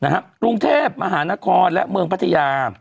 กรุงเทพมหานครและเมืองพัทยา